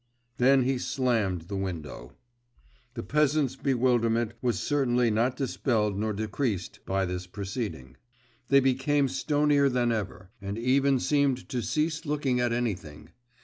Then he slammed to the window. The peasants' bewilderment was certainly not dispelled nor decreased by this proceeding. They became stonier than ever, and even seemed to cease looking at anything.